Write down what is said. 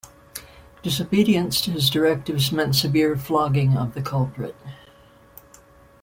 Disobedience to his directives meant severe flogging of the culprit.